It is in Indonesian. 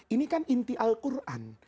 ini kan inti al quran